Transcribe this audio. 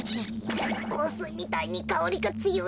こうすいみたいにかおりがつよい。